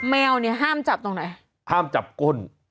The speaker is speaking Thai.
แมวเนี่ยห้ามจับตรงไหนห้ามจับก้น